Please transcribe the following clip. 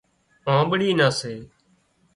آنٻڙي نان سي